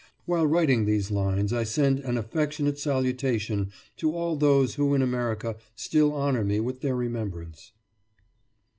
While writing these lines I send an affectionate salutation to all those who in America still honour me with their remembrance.